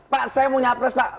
pak saya mau nyapres pak